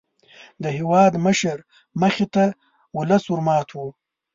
د هېوادمشر مخې ته ولس ور مات وو.